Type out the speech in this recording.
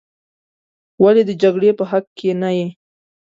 ولې د جګړې په حق کې نه یې.